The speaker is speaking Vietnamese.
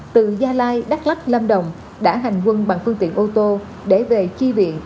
từ gia lai đắk lắc lâm đồng đã hành quân bằng phương tiện ô tô để về chi viện